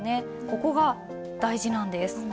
ここが大事なんです。